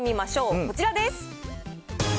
こちらです。